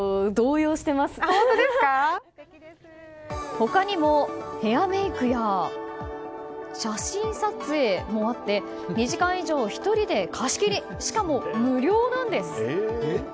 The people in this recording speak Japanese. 他にもヘアメイクや写真撮影もあって２時間以上を１人で貸し切りしかも、無料なんです。